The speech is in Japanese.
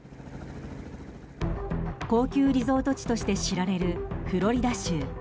高級リゾート地として知られるフロリダ州。